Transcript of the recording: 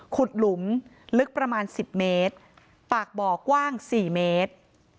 หลุมลึกประมาณ๑๐เมตรปากบ่อกว้าง๔เมตร